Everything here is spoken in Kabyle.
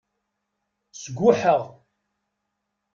Sguḥeɣ.